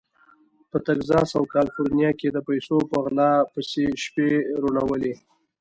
په تګزاس او کالیفورنیا کې د پیسو په غلا پسې شپې روڼولې.